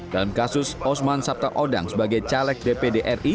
dalam kasus osman sabta odang sebagai caleg dpd ri